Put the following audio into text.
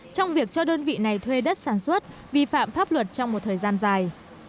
trong việc cho đơn vị này thuê đất sản xuất vi phạm pháp luật trong một thời gian dài